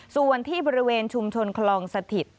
ส่วนที่บริเวณชุมชนคลองสถิต